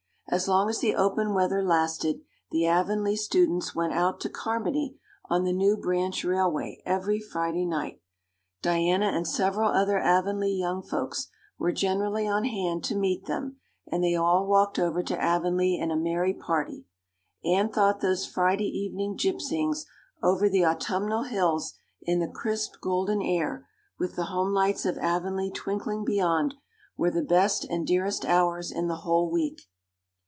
As long as the open weather lasted the Avonlea students went out to Carmody on the new branch railway every Friday night. Diana and several other Avonlea young folks were generally on hand to meet them and they all walked over to Avonlea in a merry party. Anne thought those Friday evening gypsyings over the autumnal hills in the crisp golden air, with the homelights of Avonlea twinkling beyond, were the best and dearest hours in the whole week.